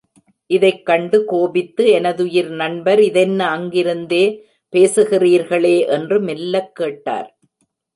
இதைக் கண்டு கோபித்து எனதுயிர் நண்பர் இதென்ன அங்கிருந்தே பேசுகிறீர்களே! என்று மெல்லக் கேட்டார்.